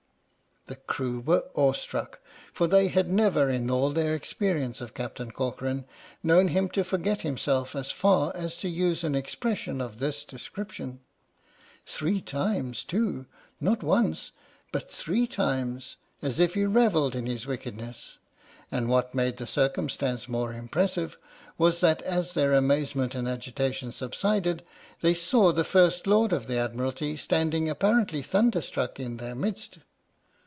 The crew were awestruck, for they had never, in all their experience of Captain Corcoran, known him to forget himself as far as to use an expression of this description. Three times too — not once, but three times, as if he revelled in his wickedness! And what made the circumstance more impressive was that as their amazement and agitation subsided, they saw the First Lord of the Admiralty standing, apparently thunder struck, in their midst!